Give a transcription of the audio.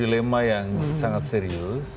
dilema yang sangat serius